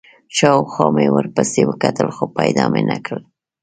شاوخوا مې ورپسې وکتل، خو پیدا مې نه کړ.